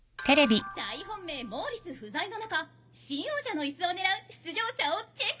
大本命モーリス不在の中新王者の椅子を狙う出場者をチェックしていきましょう。